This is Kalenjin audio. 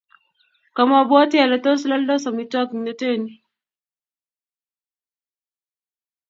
Komabwati ale tos laldos amitwogik netee ni.